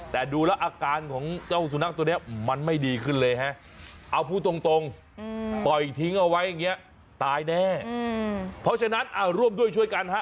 แต่ดูแล้วอาการของเจ้าสุนัขตัวเนี้ยมันไม่ดีขึ้นเลยฮะ